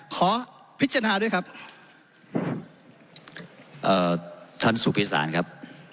ขอพิจารณาด้วยครับเอ่อท่านสุพิสารครับ